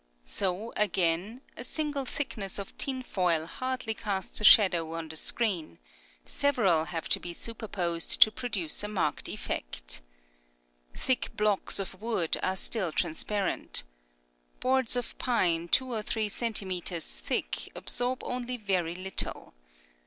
So, again, a single thickness of tinfoil hardly casts a shadow on the screen ; several have to be superposed to produce a marked effect. Thick blocks of wood are still transparent. Boards of pine two or three centimetres thick absorb only very little.